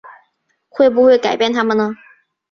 会不会改变他们呢？